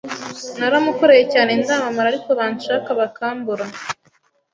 Naramukoreye cyane ndamamara ariko bancaka bakambura,